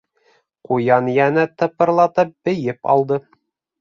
Ҡуян йәнә тыпырлатып бейеп алды.